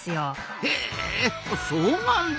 へえあそうなんだ。